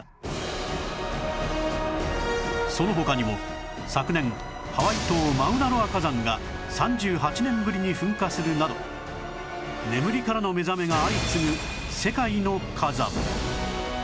その他にも昨年ハワイ島マウナ・ロア火山が３８年ぶりに噴火するなど眠りからの目覚めが相次ぐ世界の火山